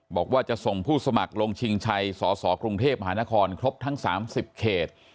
บอกว่าจะส่งผู้สมัครลงชิงชัยสสกรุงเทพมหานครครบทั้ง๓๐เขต